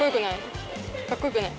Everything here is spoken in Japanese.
かっこよくない。